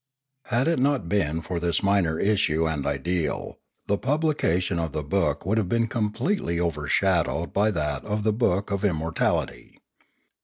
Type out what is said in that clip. Had it not been for this minor issue and ideal, the publication of the book would have been completely overshadowed by that of the book of Immortality.